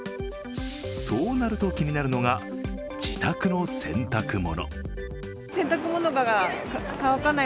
そうなると、気になるのが自宅の洗濯物。